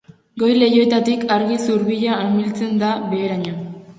Goi leihoetatik argi zurbila amiltzen da beheraino.